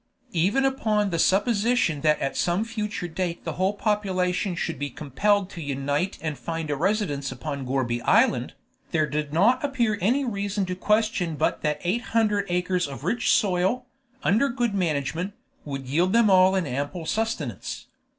Even upon the supposition that at some future date the whole population should be compelled to unite and find a residence upon Gourbi Island, there did not appear any reason to question but that eight hundred acres of rich soil, under good management, would yield them all an ample sustenance.